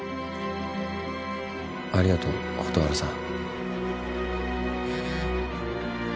ありがとう蛍原さん。